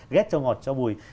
ghét cho ngọt cho bùi